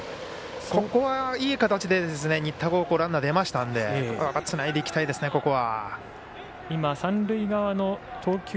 ここは、いい形で新田高校、ランナー出ましたんでつないでいきたいですね、ここは。